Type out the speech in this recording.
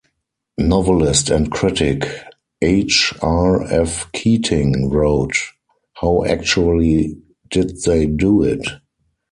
Novelist and critic H. R. F. Keating wrote, How actually did they do it?